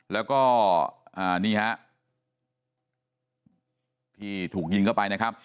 แล้วก็นี่ฮะที่ถูกยิงเข้าไปนะครับ